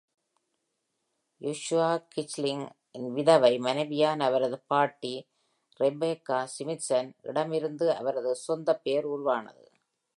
Joshua Hitchling இன் விதவை மனைவியான அவரது பாட்டி Rebecca Smithson இடமிருந்து அவரது சொந்த பெயர் உருவானது.